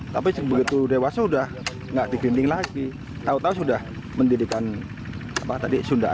tapi begitu dewasa udah enggak di kerinting lagi tahu tahu sudah mendidikan apa tadi sunda